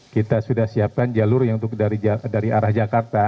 kita sudah siapkan jalur yang dari arah jakarta